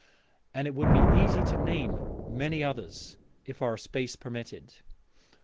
And it would be easy to name many others if our space permitted.